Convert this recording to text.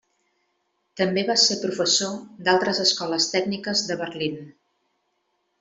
També va ser professor d'altres escoles tècniques de Berlín.